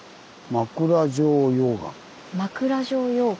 枕状溶岩？